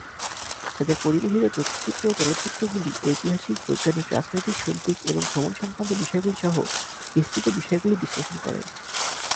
তাদের পরিবেশিত তথ্যচিত্র ও চলচ্চিত্রগুলি ঐতিহাসিক, বৈজ্ঞানিক, রাজনৈতিক, শৈল্পিক এবং ভ্রমণ সংক্রান্ত বিষয়গুলি সহ বিস্তৃত বিষয়গুলি বিশ্লেষণ করে।